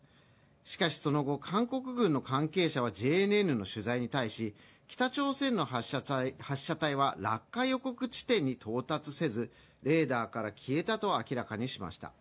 しかしその後、韓国軍の関係者はＪＮＮの取材に対し、北朝鮮の発射体は落下予告地点に到達せずレーダーから消えたと明らかにしました。